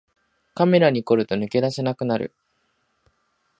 カメラに凝ると抜け出せなくなる